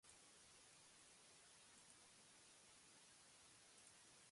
Horretarako, biharko martxan parte hartzeko deia egin die herritarrei.